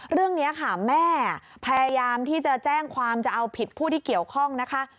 เรื่องนี้ค่ะแม่พยายามที่จะแจ้งความจะเอาผิดผู้ที่เกี่ยวข้องนะคะ